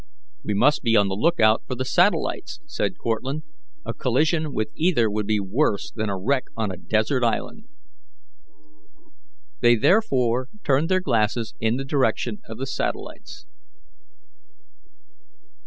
"We must be on the lookout for the satellites," said Cortlandt; "a collision with either would be worse than a wreck on a desert island." They therefore turned their glasses in the direction of the satellites.